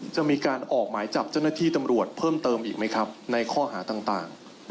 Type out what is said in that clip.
จะมีการออกหมายจับเจ้าหน้าที่ตำรวจเพิ่มเติมอีกไหมครับในข้อหาต่าง